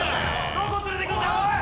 ・どこ連れてくんだおい！